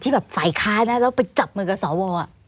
แบบฝ่ายค้านะแล้วไปจับมือกับสว